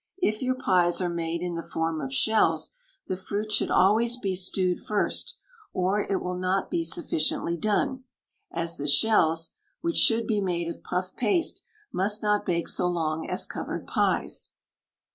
If your pies are made in the form of shells, the fruit should always be stewed first, or it will not be sufficiently done, as the shells (which should be made of puff paste) must not bake so long as covered pies.